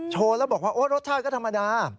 โชว์แล้วบอกว่าโอ๊ยรสชาติก็ธรรมดา